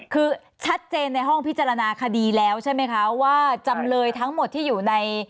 คือชัดเจนในห้องพิจารณาคดีแล้วใช่ไหมคะว่าจำเลยทั้งหมดที่อยู่ใน